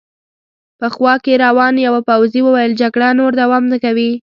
په خوا کې روان یوه پوځي وویل: جګړه نور دوام نه کوي.